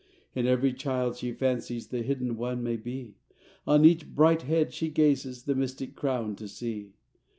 In every child she fancies The Hidden One may be, On each bright head she gazes The mystic crown to see.